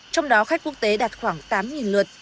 trong đó khách quốc tế đạt khoảng tám lượt